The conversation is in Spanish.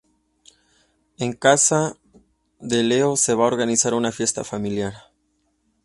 En casa de Leo se va a organizar una fiesta familiar.